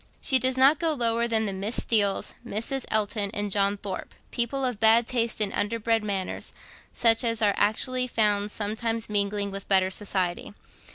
She does not go lower than the Miss Steeles, Mrs. Elton, and John Thorpe, people of bad taste and underbred manners, such as are actually found sometimes mingling with better society.